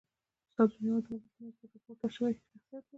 استاد بینوا د ولس له منځه راپورته سوی شخصیت و.